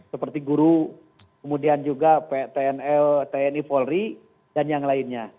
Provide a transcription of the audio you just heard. seperti guru kemudian juga tni polri dan yang lainnya